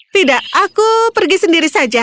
tidak aku pergi sendiri saja